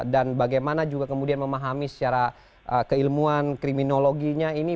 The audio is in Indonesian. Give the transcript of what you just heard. dan bagaimana juga kemudian memahami secara keilmuan kriminologinya ini